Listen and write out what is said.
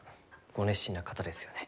ご熱心な方ですよね。